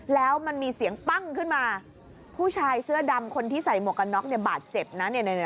แล้วมันมีเสียงปั้งขึ้นมาผู้ชายเสื้อดำคนที่ใส่หมวกกันน็อกเนี่ยบาดเจ็บนะเนี่ย